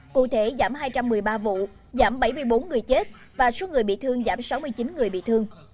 cụ thể giảm hai trăm một mươi ba vụ giảm bảy mươi bốn người chết và số người bị thương giảm sáu mươi chín người bị thương